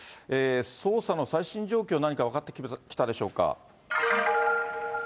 捜査の最新状況、何か分かってきたでしょうか。